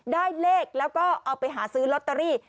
ได้เลขแล้วก็เอาไปหาซื้อลอตเตอรี่